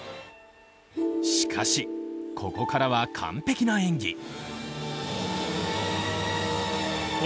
しかしここからは完璧な演技。